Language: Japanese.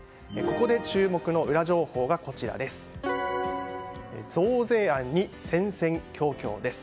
ここで注目のウラ情報がこちらです。